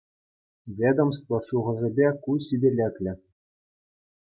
Ведомство шухӑшӗпе, ку ҫителӗклӗ.